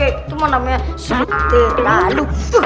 itu mah namanya satelalu